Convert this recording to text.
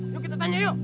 yuk kita tanya yuk